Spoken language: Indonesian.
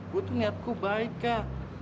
gue tuh niat gue baik kak